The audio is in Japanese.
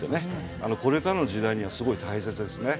これからの時代にはすごく大切ですね。